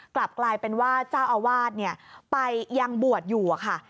กลับกลายเป็นว่าเจ้าอาวาสไปยังบวชอยู่อะค่ะ